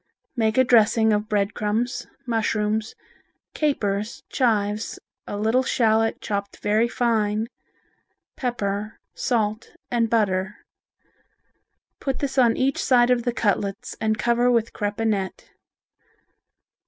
Make a dressing of bread crumbs, mushrooms, capers, chives, a little shallot all chopped very fine, pepper, salt and butter. Put this on each side of the cutlets and cover with crepinette.